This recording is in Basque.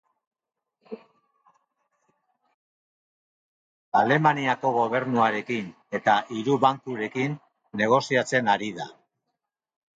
Alemaniako Gobernuarekin eta hiru bankurekin negoziatzen ari da.